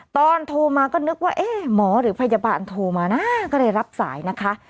โทรมาก็นึกว่าเอ๊ะหมอหรือพยาบาลโทรมานะก็เลยรับสายนะคะ